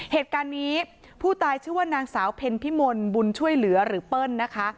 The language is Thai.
เหตุการณ์นี้ผู้ตายชื่อว่านางสาวเพ็ญพิมลบุญช่วยเหลือหรือเปิ้ลนะคะ